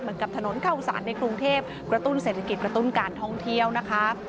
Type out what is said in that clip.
เหมือนกับถนนเข้าสารในกรุงเทพกระตุ้นเศรษฐกิจกระตุ้นการท่องเที่ยวนะคะ